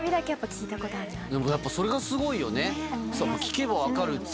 でもやっぱそれがすごいよね。